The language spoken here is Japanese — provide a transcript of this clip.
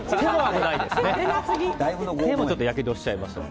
手もやけどしちゃいますので。